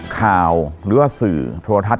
ข่าวหรือว่าสื่อโทรทัศน